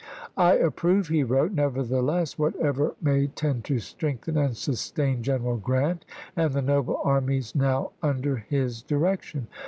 "I approve," he wrote, "nevertheless, whatever may tend to strengthen and sustain General Grant and the noble armies now under his direction.